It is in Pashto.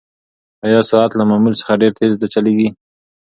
ایا ساعت له معمول څخه ډېر تېز چلیږي؟